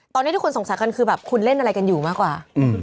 ตอนนี้ทุกคนสงสัยกันคือแบบคุณเล่นอะไรกันอยู่มากกว่า